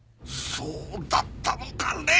そうだったのか麗！